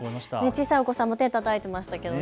小さいお子さんも手をたたいていましたけど。